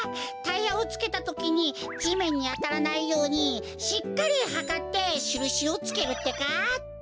タイヤをつけたときにじめんにあたらないようにしっかりはかってしるしをつけるってか。